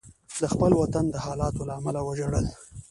د خپل وطن د حالاتو له امله وژړل.